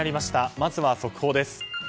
まずは速報です。